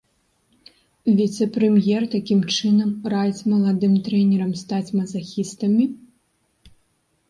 Віцэ-прэм'ер такім чынам раіць маладым трэнерам стаць мазахістамі?